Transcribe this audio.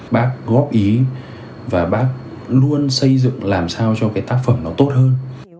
bác góp ý và bác luôn xây dựng làm sao cho cái tác phẩm nó tốt hơn